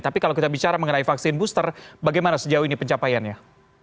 tapi kalau kita bicara mengenai vaksin booster bagaimana sejauh ini pencapaiannya